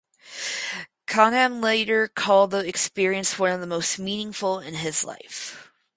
Canham later called the experience one of the most meaningful in his life.